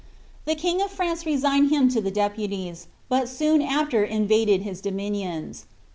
* The king of France resigned him to the deputies, but soon after invaded his dominions.